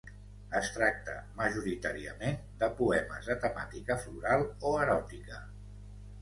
Es tracta, majoritàriament, de poemes de temàtica floral o eròtica.